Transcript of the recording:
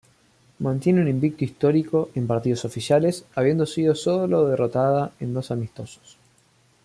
Mantiene un invicto histórico en partidos oficiales, habiendo sido solo derrotada en dos amistosos.